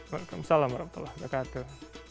waalaikumsalam warahmatullah wabarakatuh